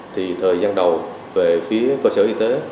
thì thời gian đầu về phía cơ sở y tế